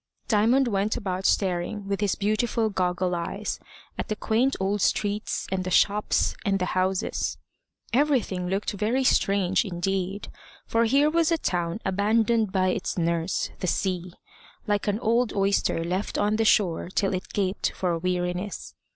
Diamond went about staring with his beautiful goggle eyes, at the quaint old streets, and the shops, and the houses. Everything looked very strange, indeed; for here was a town abandoned by its nurse, the sea, like an old oyster left on the shore till it gaped for weariness.